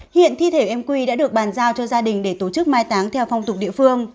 hiện thi thể em quy đã được bàn giao cho gia đình để tổ chức mai táng theo phong tục địa phương